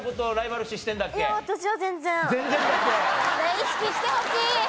意識してほしい！